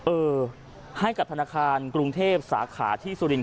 เออให้กับธนาคารกรุงเทพสาขาที่สุรินท